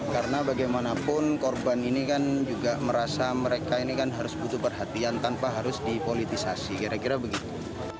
karena bagaimanapun korban ini kan juga merasa mereka ini kan harus butuh perhatian tanpa harus dipolitisasi kira kira begitu